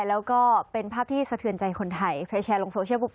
แล้วก็เป็นภาพที่สะเทือนใจคนไทยแชร์ลงโซเชียล